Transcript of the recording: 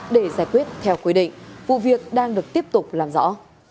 để giải quyết theo quy định vụ việc đang được tiếp tục làm rõ